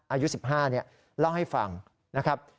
อายุ๑๕เล่าให้ฟังนะครับ